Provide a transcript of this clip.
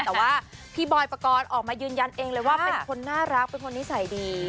แต่ว่าพี่บอยปกรณ์ออกมายืนยันเองเลยว่าเป็นคนน่ารักเป็นคนนิสัยดี